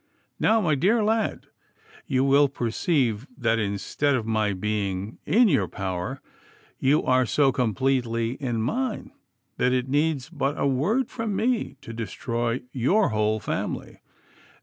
Now, my dear lad, you will perceive that instead of my being in your power, you are so completely in mine that it needs but a word from me to destroy your whole family.